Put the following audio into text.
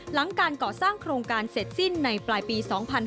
หลังการก่อสร้างโครงการเสร็จสิ้นในปลายปี๒๕๕๙